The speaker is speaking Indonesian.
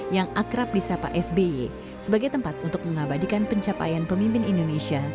yang akrab di sapa sby sebagai tempat untuk mengabadikan pencapaian pemimpin indonesia